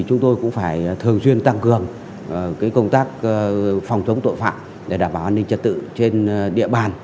chúng tôi cũng phải thường xuyên tăng cường công tác phòng chống tội phạm để đảm bảo an ninh trật tự trên địa bàn